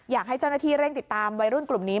อยากให้เจ้าหน้าที่เร่งติดตามวัยรุ่นกลุ่มนี้